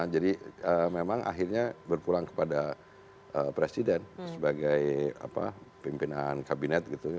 memang akhirnya berpulang kepada presiden sebagai pimpinan kabinet gitu